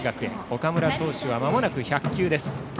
岡村投手はまもなく１００球です。